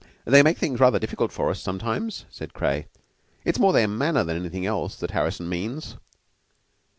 "They make things rather difficult for us, sometimes," said Craye. "It's more their manner than anything else, that Harrison means."